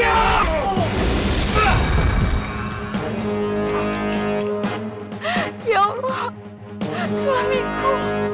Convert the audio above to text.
ya allah suamiku